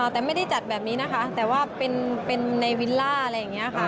แต่ไม่ได้จัดแบบนี้นะคะแต่ว่าเป็นในวิลล่าอะไรอย่างนี้ค่ะ